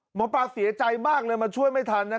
หมอปลาเสียใจมากเลยมาช่วยไม่ทัน